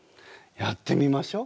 やってみましょ。